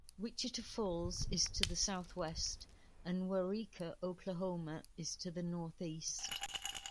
Wichita Falls is to the southwest, and Waurika, Oklahoma, is to the northeast.